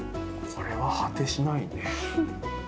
これは果てしないね。